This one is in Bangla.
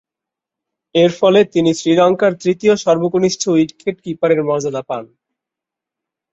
এরফলে তিনি শ্রীলঙ্কার তৃতীয় সর্বকনিষ্ঠ উইকেট-কিপারের মর্যাদা পান।